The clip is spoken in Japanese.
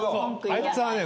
あいつはね。